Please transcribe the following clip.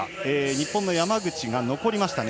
日本の山口が残りましたね。